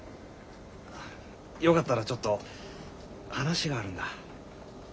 よかったらちょっと話があるんだ。